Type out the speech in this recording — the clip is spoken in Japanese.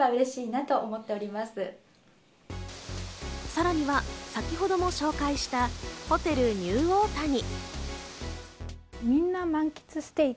さらには、先ほども紹介したホテルニューオータニ。